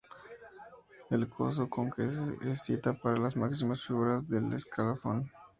El coso conquense es cita para las máximas figuras del escalafón.